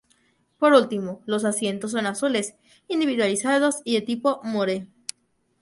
Por último, los asientos son azules, individualizados y de tipo "Motte".